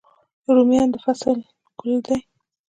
رومیان د فصل ګل دی